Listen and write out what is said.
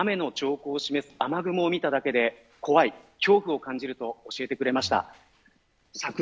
人々は、雨の兆候を示す雨雲を見ただけで怖い、恐怖を感じると教えてくれました。